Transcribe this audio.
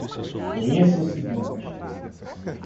Conheça o seguinte